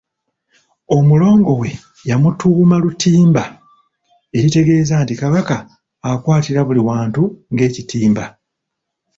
Omulongo we yamutuuma Lutimba eritegeeza nti Kabaka akwatira buli wantu ng'ekitimba.